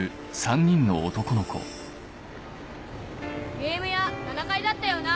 ゲーム屋７階だったよな？